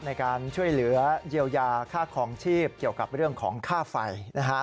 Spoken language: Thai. ในการช่วยเหลือเยียวยาค่าคลองชีพเกี่ยวกับเรื่องของค่าไฟนะฮะ